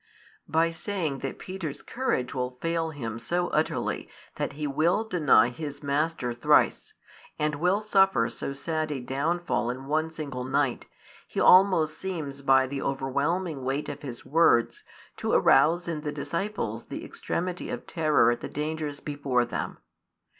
By saying that Peter's courage will fail him so utterly that he will deny his Master thrice, and will suffer so sad a downfall in one single night, He almost seems by the overwhelming weight of His words to arouse in the disciples the extremity of terror at the dangers before them.